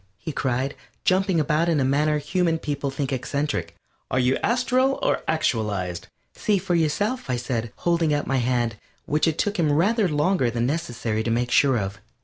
he cried, jumping about in a manner human people think eccentric, "are you astral or actualized?" "See for yourself," I said, holding out my hand, which it took him rather longer than necessary to make sure of.